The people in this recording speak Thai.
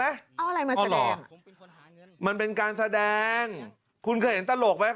เอาอะไรมาแสดงมันเป็นการแสดงคุณเคยเห็นตลกไหม